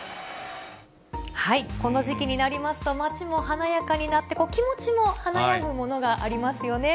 この時期になりますと、街も華やかになって、気持ちも華やぐものがありますよね。